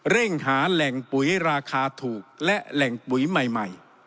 เร่งหาแหล่งปุ๋ยราคาถูกและแหล่งปุ๋ยใหม่